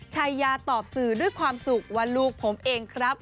ชายาตอบสื่อด้วยความสุขว่าลูกผมเองครับ